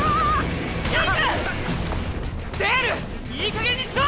デールいいかげんにしろ！